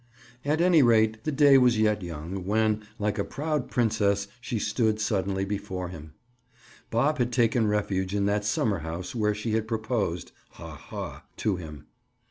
At any rate, the day was yet young when, like a proud princess, she stood suddenly before him. Bob had taken refuge in that summer house where she had proposed (ha! ha!) to him.